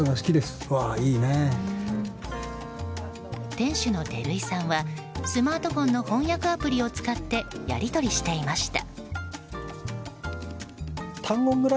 店主の照井さんはスマートフォンの翻訳アプリを使ってやり取りしていました。